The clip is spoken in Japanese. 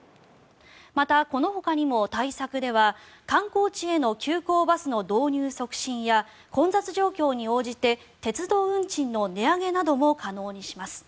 また、このほかにも対策では観光地への急行バスの導入促進や混雑状況に応じて鉄道運賃の値上げなども可能にします。